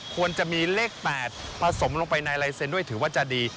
ควรจะมีเลข๘ผสมลงไปในลายเซ็นต์ด้วยถือว่าจะดี